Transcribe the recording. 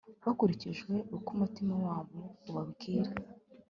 bakurikije uko umutimanama wabo ubabwira